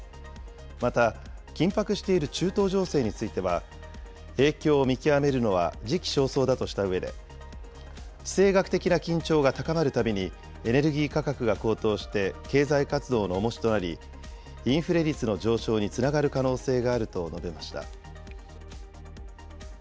また、緊迫している中東情勢については、影響を見極めるのは時期尚早だとしたうえで、地政学的な緊張が高まるたびに、エネルギー価格が高騰して経済活動のおもしとなり、インフレ率の上昇につながる可能性があると述べました。